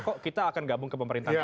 kok kita akan gabung ke pemerintahan